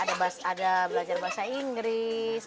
ada belajar bahasa inggris